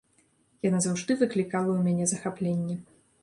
Яна заўжды выклікала ў мяне захапленне.